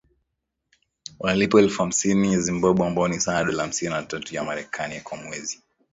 wanalipwa elfu ishirini fedha ya Zimbabwe ambayo ni sawa na dola hamsini na tatu ya Marekani kwa mwezi